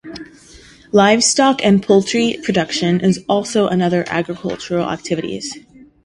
Livestock and poultry production is also another agricultural activities.